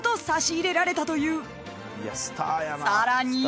［さらに］